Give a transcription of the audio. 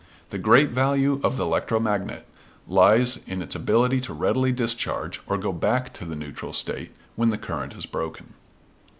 The great value of the electromagnet lies in its ability to readily discharge, or go back to the neutral state, when the current is broken.